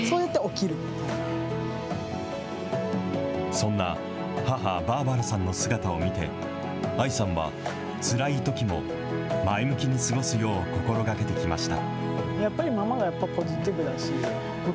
そんな母、バーバラさんの姿を見て、ＡＩさんは、つらいときも、前向きに過ごすよう心がけてきました。